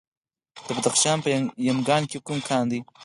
د بدخشان په یمګان کې کوم کان دی؟